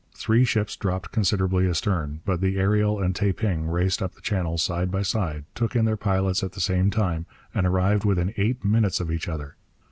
Three ships dropped considerably astern. But the Ariel and Taeping raced up the Channel side by side, took in their pilots at the same time, and arrived within eight minutes of each other.